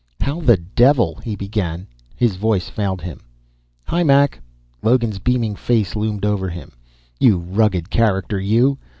"How the devil ", he began. His voice failed him. "Hi, Mac." Logan's beaming face loomed over him. "You rugged character, you.